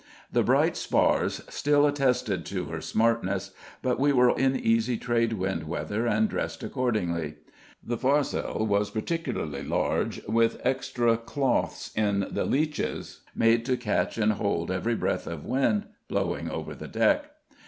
The bright spars still attested to her "smartness," but we were in easy trade wind weather and dressed accordingly. The fores'l was particularly large, with extra clothes in the leeches, made to catch and hold every breath of wind blowing over the deck.